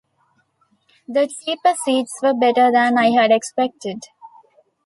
The cheaper seats were better than I had expected.